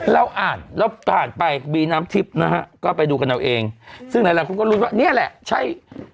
แล้วอ่านไปบีน้ำทิพย์นะฮะก็ไปดูกันเราเองซึ่งไหนแหละคุณก็รู้ว่าเนี่ยแหละใช่